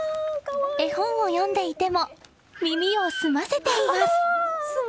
絵本を読んでいても耳を澄ませています。